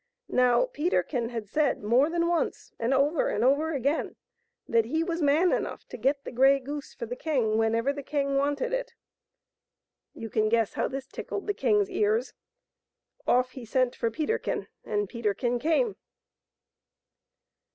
Now Peterkin had said more than once, and over and over again, that he was man enough to get the gfrey goose for the king whenever the king wanted it. You can guess how this tickled the king's ears. Off he sent for Peterkin, and Peterkin came.